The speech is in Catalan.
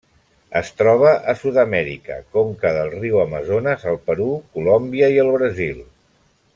Es troba a Sud-amèrica: conca del riu Amazones al Perú, Colòmbia i el Brasil.